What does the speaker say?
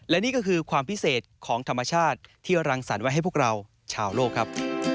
และนี่ก็คือความพิเศษของธรรมชาติที่รังสรรค์ไว้ให้พวกเราชาวโลกครับ